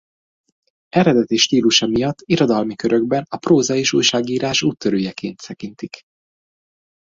Eredeti stílusa miatt irodalmi körökben a próza- és újságírás úttörőjeként tekintik.